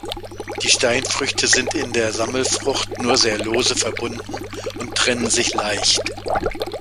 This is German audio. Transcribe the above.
Die Steinfrüchte sind in der Sammelfrucht nur sehr lose verbunden und trennen sich leicht.